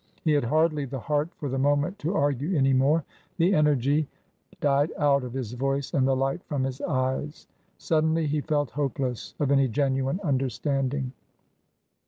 He had hardly the heart for the moment to argue any more. The energy a it 248 TRANSITION. died out of his voice and the light from his eyes. Sud denly he felt hopeless of any genuine understanding.